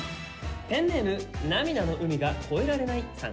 ペンネームナミダの海が越えられないさん